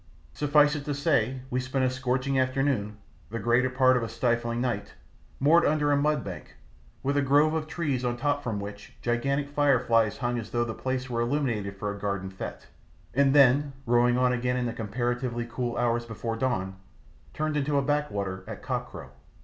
Suffice it to say we spent a scorching afternoon, the greater part of a stifling night moored under a mud bank with a grove of trees on top from which gigantic fire flies hung as though the place were illuminated for a garden fete, and then, rowing on again in the comparatively cool hours before dawn, turned into a backwater at cock crow.